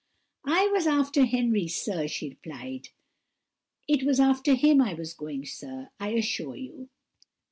"I was after Henry, sir!" she replied: "it was after him I was going, sir, I assure you."